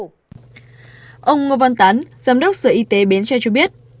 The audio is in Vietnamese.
ông ngô văn tán giám đốc sở y tế bến tre cho biết